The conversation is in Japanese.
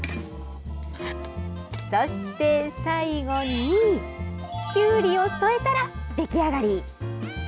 そして最後にきゅうりを添えたら出来上がり。